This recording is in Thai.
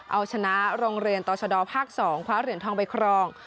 เอาชนะโรงเรียนต่อชะดอภาค๒คว้าเหรียญทองไปครอง